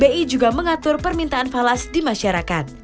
bi juga mengatur permintaan falas di masyarakat